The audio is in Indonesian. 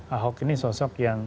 ahok ini sosok yang